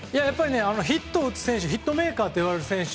ヒットを打つ選手ヒットメーカーといわれる選手